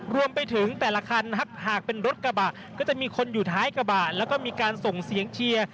รวมไปถึงแต่ละคันนะครับหากเป็นรถกระบะก็จะมีคนอยู่ท้ายกระบะแล้วก็มีการส่งเสียงเชียร์